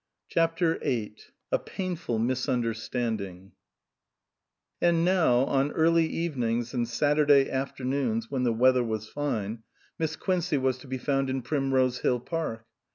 277 CHAPTER VIII A PAINFUL MISUNDERSTANDING AND now, on early evenings and Saturday afternoons when the weather was fine, Miss Quincey was to be found in Primrose Hill Park.